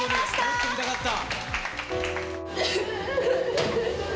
もっと見たかった！